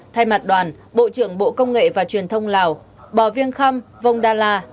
thay mặt đoàn bộ trưởng bộ công nghệ và truyền thông lào bò viên khâm vông đa la